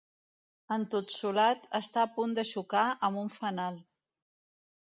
Entotsolat, està a punt de xocar amb un fanal.